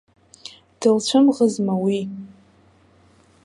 Дылцәымӷызма уи?